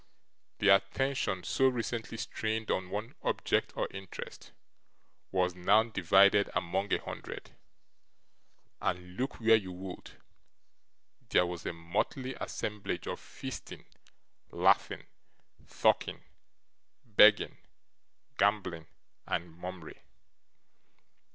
The attention so recently strained on one object of interest, was now divided among a hundred; and look where you would, there was a motley assemblage of feasting, laughing, talking, begging, gambling, and mummery.